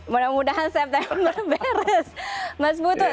mudah mudahan september beres mas putut